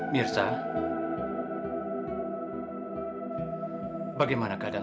minir ya manipulating aku untuk shots